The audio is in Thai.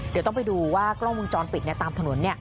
เดี๋ยวต้องไปดูว่ากล้องวงจรปิดตามถนน